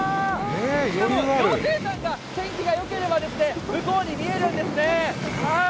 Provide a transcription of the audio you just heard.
羊蹄山が、天気がよければ向こうに見えるんですね。